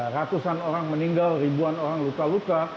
ratusan orang meninggal ribuan orang luka luka